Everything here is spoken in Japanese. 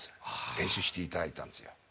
練習していただいたんですよ。